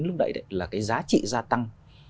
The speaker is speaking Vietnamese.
lúc nãy là cái giá trị gia tăng